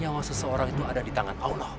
nyawa seseorang itu ada di tangan allah